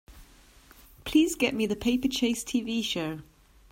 Please get me The Paper Chase TV show.